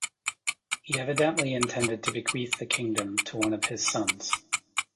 He evidently intended to bequeath the kingdom to one of his sons.